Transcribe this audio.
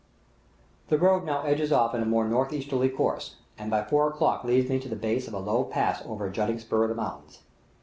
The road now edges off in a more northeasterly course, and by four o'clock leads me to the base of a low pass over a jutting spur of the mountains.